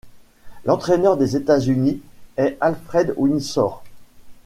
L'entraîneur des États-Unis est Alfred Winsor.